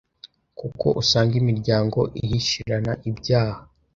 kuko usanga imiryango ihishirana ibyaha